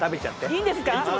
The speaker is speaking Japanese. いいんですか？